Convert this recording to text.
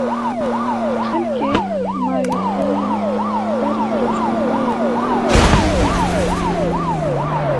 Xelkê Mariupolê ber bi rojavayê welat ve direvin.